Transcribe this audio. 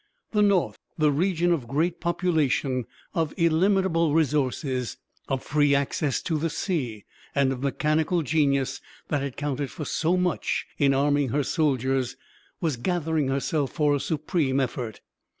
The North, the region of great population, of illimitable resources, of free access to the sea, and of mechanical genius that had counted for so much in arming her soldiers, was gathering herself for a supreme effort.